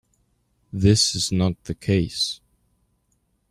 This is not the case.